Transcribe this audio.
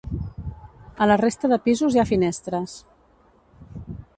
A la resta de pisos hi ha finestres.